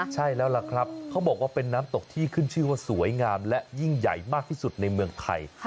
ใช่แล้วล่ะครับเขาบอกว่าเป็นน้ำตกที่ขึ้นชื่อว่าสวยงามและยิ่งใหญ่มากที่สุดในเมืองไทย